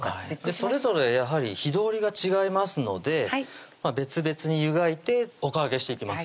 それぞれやはり火通りが違いますので別々に湯がいておかあげしていきます